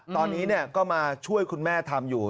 ตอนนี้ก็มาช่วยคุณแม่ทำอยู่